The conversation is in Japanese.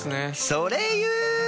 それ言う！？